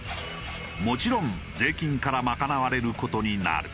もちろん税金から賄われる事になる。